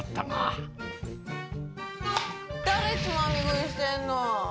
誰、つまみ食いしてんの？